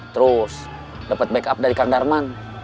terus dapat backup dari kang darman